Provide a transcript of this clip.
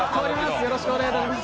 よろしくお願いします。